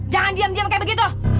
jangan diem diem kayak begitu